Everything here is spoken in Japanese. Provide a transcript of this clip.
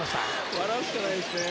笑うしかないですね。